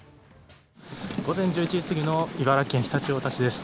午前１１時過ぎの茨城県常陸太田市です。